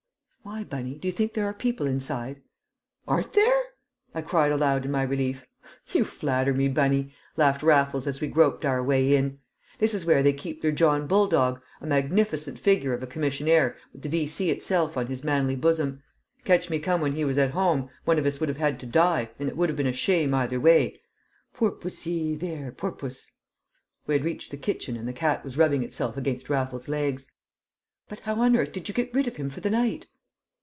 "Why, Bunny? Do you think there are people inside?" "Aren't there?" I cried aloud in my relief. "You flatter me, Bunny!" laughed Raffles, as we groped our way in. "This is where they keep their John Bulldog, a magnificent figure of a commissionaire with the V.C. itself on his manly bosom. Catch me come when he was at home; one of us would have had to die, and it would have been a shame either way. Poor pussy, then, poor puss!" We had reached the kitchen and the cat was rubbing itself against Raffles's legs. "But how on earth did you get rid of him for the night?"